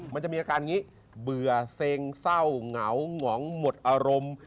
มันจะมีอาการอย่างนี้เบื่อเซ็งเศร้าเหงาหงองหมดอารมณ์